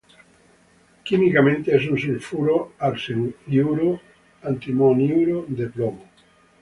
Químicamente es un sulfuro-arseniuro-antimoniuro de plomo.